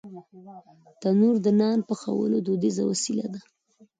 تنور د نان پخولو دودیزه وسیله ده